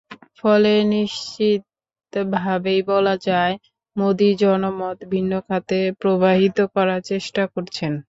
ফলে নিশ্চিতভাবেই বলা যায়, মোদি জনমত ভিন্ন খাতে প্রবাহিত করার চেষ্টা করছেন।